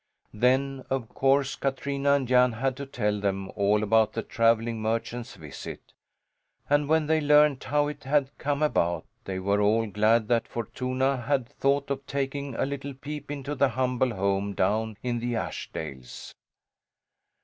Then of course Katrina and Jan had to tell them all about the travelling merchant's visit, and when they learned how it had come about they were all glad that Fortuna had thought of taking a little peep into the humble home down in the Ashdales.